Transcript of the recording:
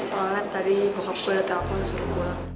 soalnya tadi bokap gue ada telepon suruh pulang